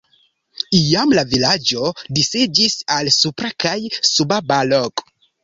Iam la vilaĝo disiĝis al Supra kaj Suba Balog.